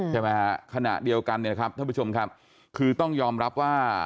ใช่ไหมขณะเดียวกันท่านผู้ชมคือต้องยอมรับว่า